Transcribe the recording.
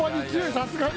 さすがに。